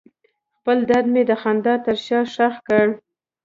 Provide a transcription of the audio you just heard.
خپل درد مې د خندا تر شا ښخ کړ.